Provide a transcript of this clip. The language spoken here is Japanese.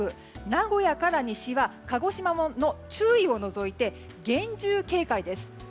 名古屋から西は鹿児島の注意を除いて厳重警戒です。